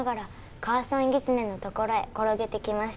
「母さんギツネの所へ転げてきました」